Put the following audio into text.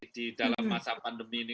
di dalam masa pandemi ini